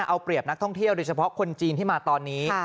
เอาเปรียบนักท่องเที่ยวโดยเฉพาะคนจีนที่มาตอนนี้